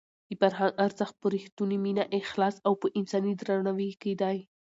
د فرهنګ ارزښت په رښتونې مینه، اخلاص او په انساني درناوي کې دی.